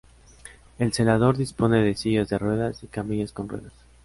El celador dispone de sillas de ruedas y camillas con ruedas.